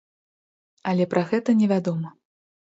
Але пра гэта не вядома.